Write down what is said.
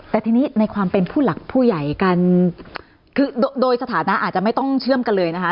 แต่ทีนี้ในความเป็นผู้หลักผู้ใหญ่กันคือโดยสถานะอาจจะไม่ต้องเชื่อมกันเลยนะคะ